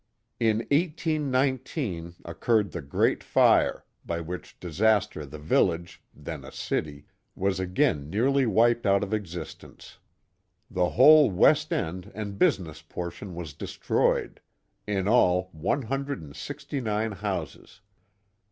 In 1 8 19 occurred the great fire,*' by which disaster the vil lage — then a city — was again nearly wiped out of existence. The whole west end and business portion was destroyed, in all one hundred and sixty nine houses.